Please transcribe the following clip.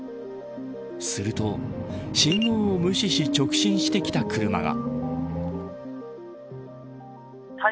すると信号を無視し直進してきた車が。